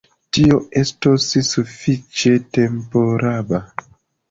Tio estos sufiĉe temporaba.